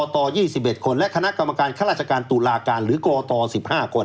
ตยี่สิบเอ็ดคนและคณะกรรมการคราชการตุลาการหรือกรตอสิบห้าคน